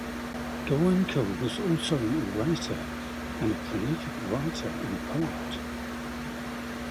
Goenka was also an orator, and a prolific writer and poet.